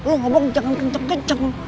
lo ngomong jangan kenceng kenceng